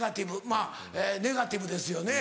まぁネガティブですよね？